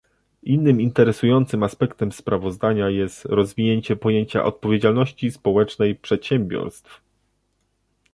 Innym interesującym aspektem sprawozdania jest rozwinięcie pojęcia odpowiedzialności społecznej przedsiębiorstw